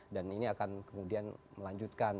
dan ini akan kemudian melanjutkan